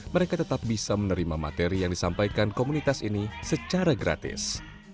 mereka tetap bisa menerima materi yang disampaikan komunitas ini secara gratis